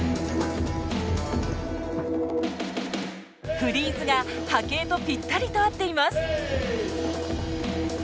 フリーズが波形とぴったりと合っています。